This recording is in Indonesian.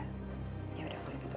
yaudah aku lagi tolok pamit dulu ya